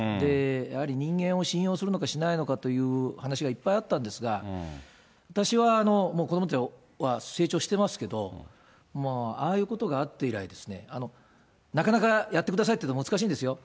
やはり人間を信用するのかしないのかという話がいっぱいあったんですが、私は子どもたちは成長していますけれども、ああいうことがあって以来、なかなかやってくださいっていうの難しいんですよ。